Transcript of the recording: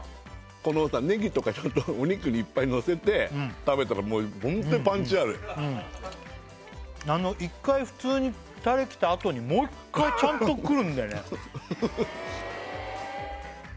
このさネギとかちょっとお肉にいっぱいのせて食べたらもう本当にパンチある一回普通にタレきたあとにもう一回ちゃんとくるんだよね